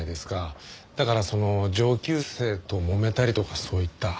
だからその上級生ともめたりとかそういった。